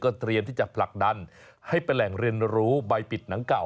เตรียมที่จะผลักดันให้เป็นแหล่งเรียนรู้ใบปิดหนังเก่า